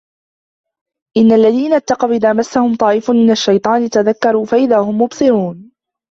إِنَّ الَّذِينَ اتَّقَوْا إِذَا مَسَّهُمْ طَائِفٌ مِنَ الشَّيْطَانِ تَذَكَّرُوا فَإِذَا هُمْ مُبْصِرُونَ